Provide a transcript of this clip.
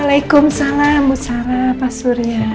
waalaikumsalam musyara pak surya